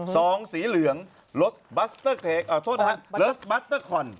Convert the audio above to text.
ซองสีเหลืองรสบัสเตอร์เครกอ่าโทษนะรสบัสเตอร์คอน